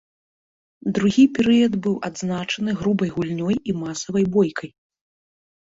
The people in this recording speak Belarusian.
Другі перыяд быў адзначаны грубай гульнёй і масавай бойкай.